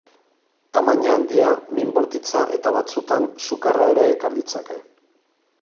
Tamaina handia, min bortitza eta batzuetan sukarra ere ekar ditzake.